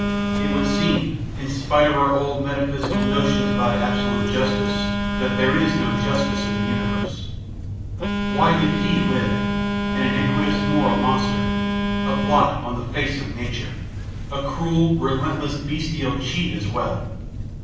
It would seem, in spite of our old metaphysical notions about absolute justice, that there is no justice in the universe. Why did he live? an iniquitous, moral monster, a blot on the face of nature, a cruel, relentless, bestial cheat as well.